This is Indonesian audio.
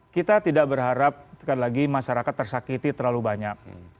kita tidak berharap sekali lagi masyarakat tersakiti terlalu banyak